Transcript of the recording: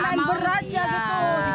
main ber aja gitu